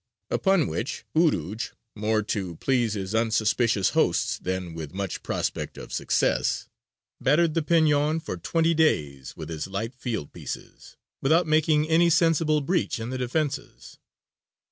Upon which Urūj, more to please his unsuspicious hosts than with much prospect of success, battered the Peñon for twenty days with his light field pieces, without making any sensible breach in the defences.